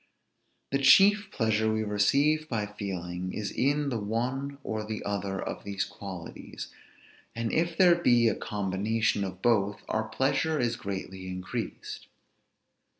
The chief pleasure we receive by feeling, is in the one or the other of these qualities; and if there be a combination of both, our pleasure is greatly increased.